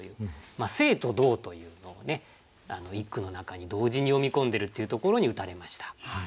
静と動というのを一句の中に同時に詠み込んでるっていうところに打たれました。